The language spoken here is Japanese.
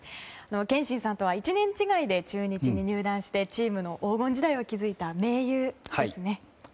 憲伸さんとは１年違いで中日に入団してチームの黄金時代を築いた盟友ですね。